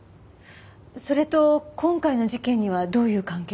それと今回の事件にはどういう関係が？